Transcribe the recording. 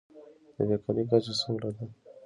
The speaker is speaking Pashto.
د بیکارۍ کچه څومره ده؟